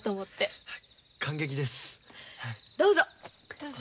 どうぞ。